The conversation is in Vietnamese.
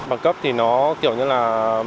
bằng cấp thì nó kiểu như là